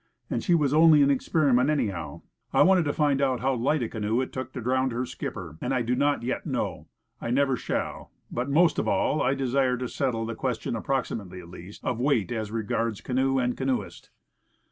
And she was only an ex periment, anyhow. I wanted to find out how light a canoe it took to drown her skipper, and I do not yet The Proper Craft, 137 know. I never shall. But, most of all, I desired to settle the question approximately at least of weighty as regards canoe and canoeist.